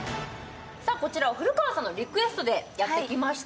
こちらは古川さんのリクエストでやってきました。